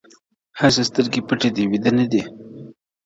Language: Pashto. هسې سترگي پـټـي دي ويــــده نــه ده